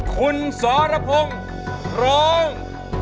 คุณสรพงศ์ร้อง